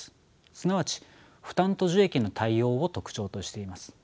すなわち負担と受益の対応を特徴としています。